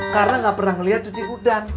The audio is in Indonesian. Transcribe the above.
karena nggak pernah ngeliat cuci gudang